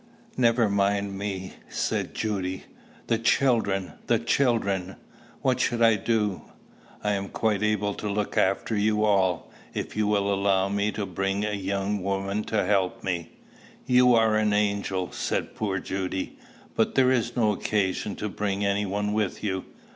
"Never mind me," said Judy. "The children! the children! What shall I do?" "I am quite able to look after you all if you will allow me to bring a young woman to help me." "You are an angel!" said poor Judy. "But there is no occasion to bring any one with you.